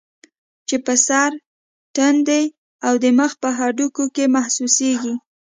چې پۀ سر ، تندي او د مخ پۀ هډوکو کې محسوسيږي